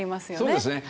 そうですね。